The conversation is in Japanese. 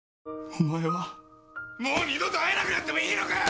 お前はもう二度と会えなくなってもいいのかよ！？